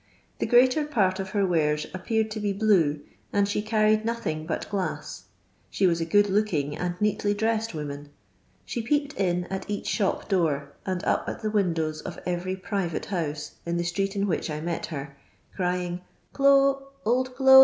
The greater part of her wares appeared to be blue, and she carried nothing but glass. She was a good looking and neatly dressed woman. She peeped in at each shop door, and up at the windows of every private house, in the street in which I met her, crying, " Clo', old do'